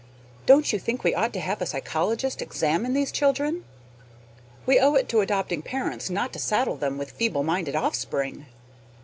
Don't you think we ought to have a psychologist examine these children? We owe it to adopting parents not to saddle them with feeble minded offspring.